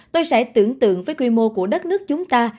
tôi sẽ tưởng tượng với quy mô của đất nước chúng ta